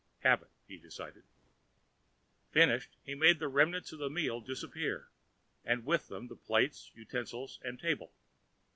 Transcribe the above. Habit, he decided. Finished, he made the remnants of the meal disappear, and with them the plates, utensils and table.